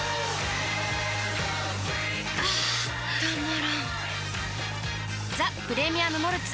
あたまらんっ「ザ・プレミアム・モルツ」